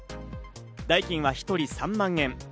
代金は１人３万円。